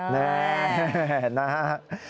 แน่นะครับ